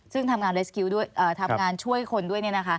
ซึ่งทำงานช่วยคนด้วย